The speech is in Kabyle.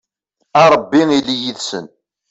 a rebbi ili yid-sen